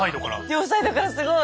両サイドからすごい。